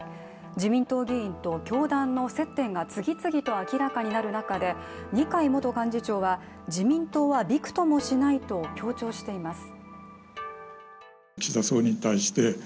自民党議員と教団の接点が次々と明らかになる中で二階元幹事長は自民党は、びくともしないと強調しています。